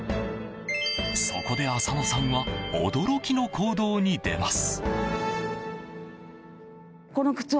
そこで浅野さんは驚きの行動に出ます。